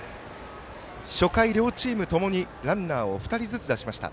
初回両チームともにランナーを２人ずつ出しました。